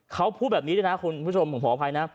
เขาพูดแบบนี้ด้วยนะคุณผู้ชมผมขออภัยนะ